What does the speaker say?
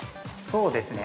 ◆そうですね。